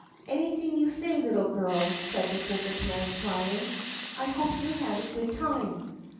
"Anything you say, little girl!" said the circus man smiling. "I hope you had a good time."